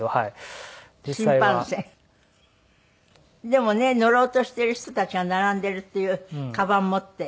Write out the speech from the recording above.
でもね乗ろうとしている人たちが並んでるっていうカバン持って。